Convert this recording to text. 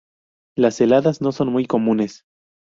Las heladas no son muy comunes.